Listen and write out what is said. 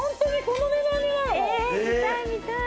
見たい見たい！